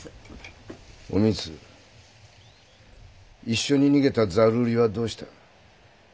一緒に逃げたざる売りはどうした？